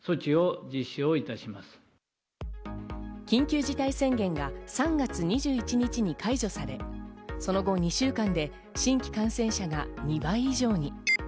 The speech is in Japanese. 緊急事態宣言が３月２１日に解除され、その後、２週間で新規感染者が２倍以上に。